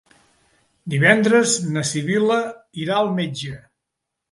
Divendres na Sibil·la irà al metge.